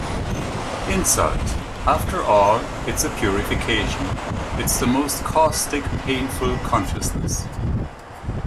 Insult - after all, it's a purification; it's the most caustic, painful consciousness!